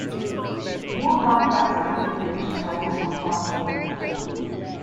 More complex configurations are also possible.